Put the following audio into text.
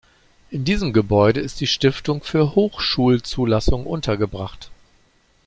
In diesem Gebäude ist die Stiftung für Hochschulzulassung untergebracht.